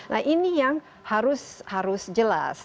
nah ini yang harus jelas